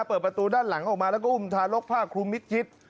เปิดประตูด้านหลังออกมาแล้วก็อุ้มทารกผ้าคลุมมิดชิด